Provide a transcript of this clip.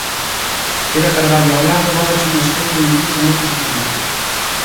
Ter a Carballo ao lado dábache unha especie de impulso moi positivo.